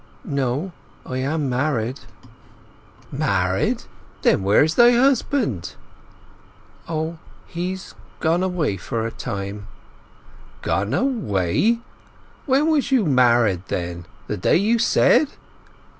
"No—I am married." "Married! Then where's thy husband?" "Oh, he's gone away for a time." "Gone away! When was you married, then? The day you said?"